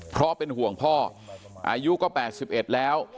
เพราะเป็นห่วงพ่ออายุก็๘๑แล้ว